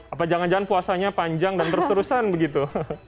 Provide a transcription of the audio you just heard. apa jangan jangan puasanya panjang dan terus terusan begitu